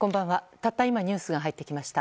たった今ニュースが入ってきました。